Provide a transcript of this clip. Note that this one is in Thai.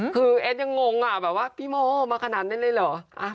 คือเอสยังงงอ่ะแบบว่าพี่โมมาขนาดนั้นเลยเหรอ